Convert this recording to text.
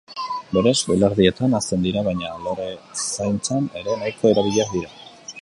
Berez belardietan hazten dira, baina lorezaintzan ere nahiko erabiliak dira.